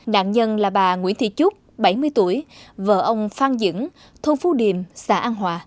nạn nhân là bà nguyễn thị trúc bảy mươi tuổi vợ ông phan dĩnh thùng phú điềm xã an hòa